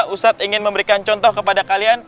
ustadz ingin memberikan contoh kepada kalian